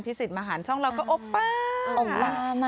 ปีศิษย์มหารเช้าเราก็โอปป้า